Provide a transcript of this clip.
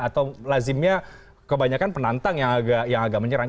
atau lazimnya kebanyakan penantang yang agak menyerang